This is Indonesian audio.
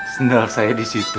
sendirian saya disitu